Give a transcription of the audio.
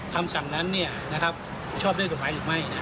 คำสั่งนั้นชอบด้วยกฎหมายหรือไม่